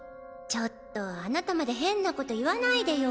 ちょっとあなたまで変なこと言わないでよ。